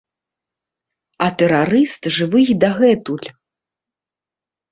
А тэрарыст жывы й дагэтуль!